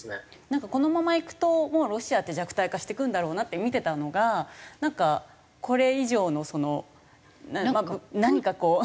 なんかこのままいくともうロシアって弱体化していくんだろうなって見てたのがなんかこれ以上のその何かこう。